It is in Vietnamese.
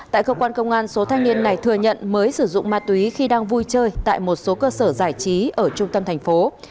tại cơ quan công an số thanh niên này thừa nhận mới sử dụng ma túy khi đang vui chơi tại một số cơ sở giải trí ở trung tâm thành phố